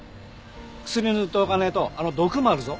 薬塗っておかねえとあの毒回るぞ。